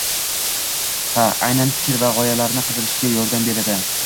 Ha, aynan fikr va gʻoyalarni qidirishga yordam beradi.